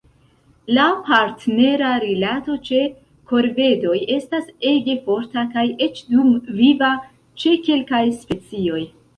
La partnera rilato ĉe korvedoj estas ege forta kaj eĉ dumviva ĉe kelkaj specioj.